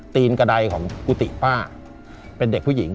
ตีนกระดายของกุฏิป้าเป็นเด็กผู้หญิง